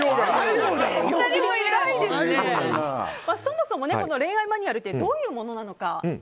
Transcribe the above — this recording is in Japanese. そもそも、恋愛マニュアルってどういうものなのか。